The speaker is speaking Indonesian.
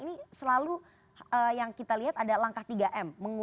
ini selalu yang kita lihat ada langkah tiga m